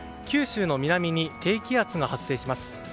九州の南に低気圧が発生します。